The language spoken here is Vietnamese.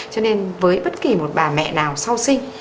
cho nên với bất kỳ một bà mẹ nào sau sinh